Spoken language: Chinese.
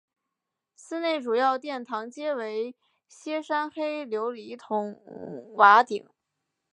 寺内主要殿堂皆为歇山黑琉璃筒瓦顶。